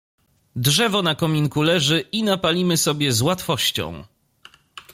"Drzewo na kominku leży i napalimy sobie z łatwością."